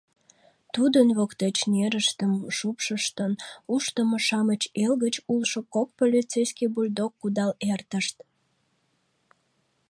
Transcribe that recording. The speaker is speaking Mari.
Тудын воктеч нерыштым шупшыштын, Ушдымо-шамыч Эл гыч улшо кок полицейский бульдог кудал эртышт.